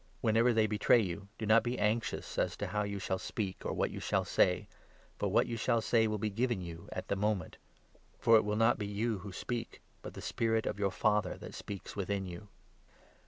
Whenever they betray you, do not be anxious as to how 19 you shall speak or what you shall say, for what you shall say will be given you at the moment ; for it will not be you who 20 speak, but the Spirit of your Father that speaks within you.